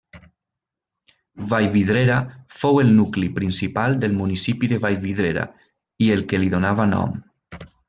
Vallvidrera fou el nucli principal del municipi de Vallvidrera i el que li donava nom.